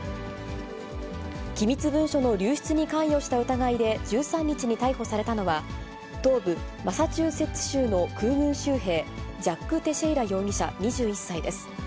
機密文書の流出に関与した疑いで１３日に逮捕されたのは、東部マサチューセッツ州の空軍州兵、ジャック・テシェイラ容疑者２１歳です。